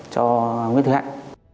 cho nguyễn thủy hạnh